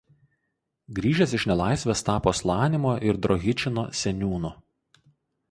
Grįžęs iš nelaisvės tapo Slanimo ir Drohičino seniūnu.